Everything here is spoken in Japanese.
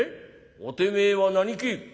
「おてめえは何け？」。